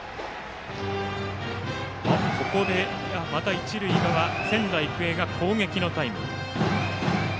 ここでまた一塁側仙台育英が攻撃のタイム。